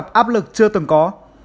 các bang chịu ảnh hưởng nặng nề nhất